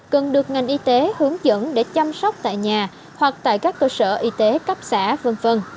cần được ngành y tế hướng dẫn để chăm sóc tại nhà hoặc tại các cơ sở y tế cấp xã v v